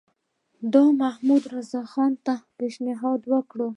ده محمدرضاخان ته پېشنهاد وکړ.